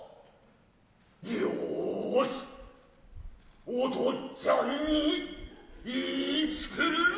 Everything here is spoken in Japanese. ようしおとっちゃんにいいつくるぞ。